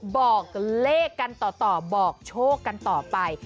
บอกเลขกันต่อบอกโชคกันต่อไป